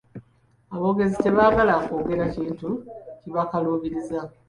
Aboogezi tebaagala kwogera kintu kibakaluubiriza.